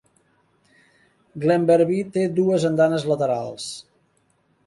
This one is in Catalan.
Glenbervie té dues andanes laterals.